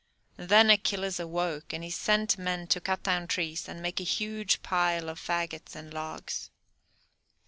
Then Achilles awoke, and he sent men to cut down trees, and make a huge pile of fagots and logs.